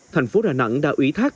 thành phố đà nẵng đã ủy thác